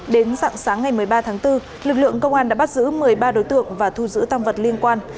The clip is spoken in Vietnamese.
đến dạng sáng ngày một mươi ba tháng bốn lực lượng công an đã bắt giữ một mươi ba đối tượng và thu giữ tăng vật liên quan